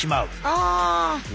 ああ。